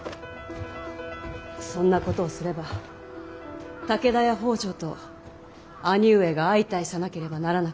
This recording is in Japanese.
そんなことをすれば武田や北条と兄上が相対さなければならなくなります。